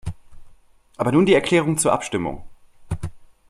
Aber nun die Erklärung zur Abstimmung.